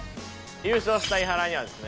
優勝した飯原にはですね